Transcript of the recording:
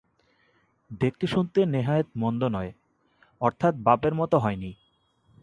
দেখতে শুনতে নেহাত মন্দ নয়, অর্থাৎ বাপের মতো হয় নি।